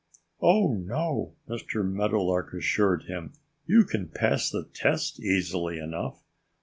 "Oh, no!" Mr. Meadowlark assured him. "You can pass the test easily enough."